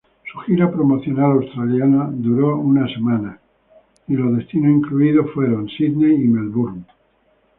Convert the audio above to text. Su gira promocional australiano duró una semana y los destinos incluidos Sídney y Melbourne.